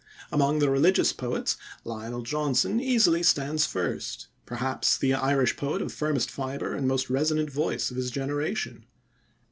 Among the religious poets, Lionel Johnson easily stands first perhaps the Irish poet of firmest fibre and most resonant voice of his generation.